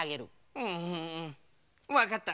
うんわかった。